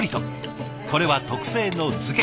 これは特製の漬け。